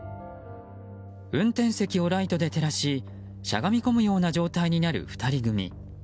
運転席をライトで照らししゃがみ込むような状態になる２人組。